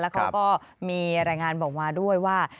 เขาก็มีรายงานบอกมาด้วยว่า